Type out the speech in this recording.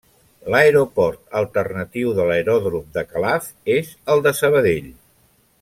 L’aeroport alternatiu de l'aeròdrom de Calaf és el de Sabadell.